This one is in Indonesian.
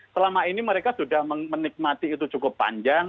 selama ini mereka sudah menikmati itu cukup panjang